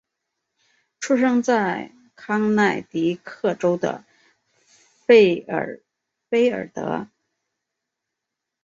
出生在康乃狄克州的费尔菲尔德。